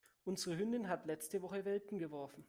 Unsere Hündin hat letzte Woche Welpen geworfen.